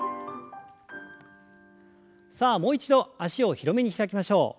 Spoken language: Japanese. さあもう一度脚を広めに開きましょう。